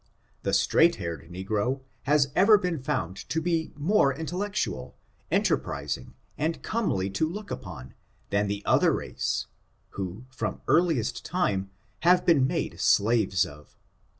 The straight hair ed negro has ever been found to be more intellectual, enterprizing and comely to look upon than the otiier race, who, from earliest time, hsTe been made slaves of.